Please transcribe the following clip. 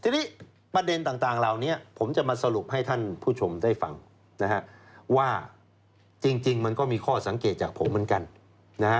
ทีนี้ประเด็นต่างเหล่านี้ผมจะมาสรุปให้ท่านผู้ชมได้ฟังนะฮะว่าจริงมันก็มีข้อสังเกตจากผมเหมือนกันนะฮะ